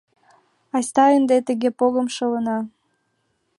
Айста ынде тыгыде погым шелына.